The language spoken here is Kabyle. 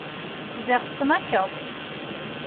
Ziɣ tetnakeḍ!